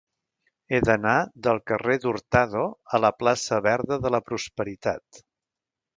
He d'anar del carrer d'Hurtado a la plaça Verda de la Prosperitat.